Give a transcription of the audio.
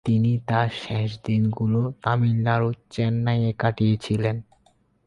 তিনি তাঁর শেষ দিনগুলো তামিলনাড়ুর চেন্নাইয়ে কাটিয়েছিলেন।